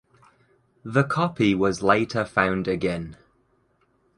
The copy was later found again.